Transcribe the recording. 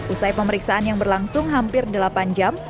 usai pemeriksaan yang berlangsung hampir delapan jam